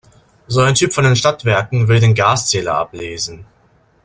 So ein Typ von den Stadtwerken will den Gaszähler ablesen.